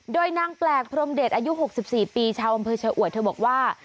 โดยนางแปลกพรมเดชอายุ๖๔ปีชาวอำเภอชะอวดเธอบอกว่า